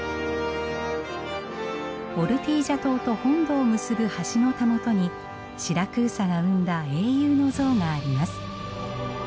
オルティージャ島と本土を結ぶ橋のたもとにシラクーサが生んだ英雄の像があります。